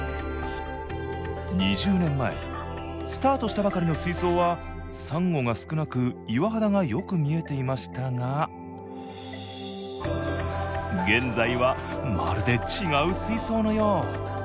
２０年前スタートしたばかりの水槽はサンゴが少なく岩肌がよく見えていましたが現在はまるで違う水槽のよう。